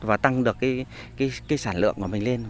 và tăng được sản lượng của mình lên